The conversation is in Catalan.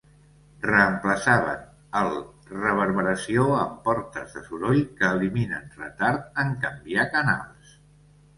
Reemplaçaven el reverberació amb portes de soroll que eliminen retard en canviar canals.